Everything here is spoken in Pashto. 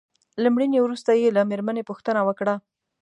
له مړینې وروسته يې له مېرمنې پوښتنه وکړه.